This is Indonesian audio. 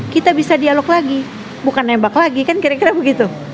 kita bisa dialog lagi bukan nembak lagi kan kira kira begitu